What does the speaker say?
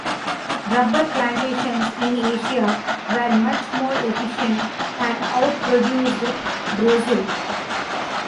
Rubber plantations in Asia were much more efficient and outproduced Brazil.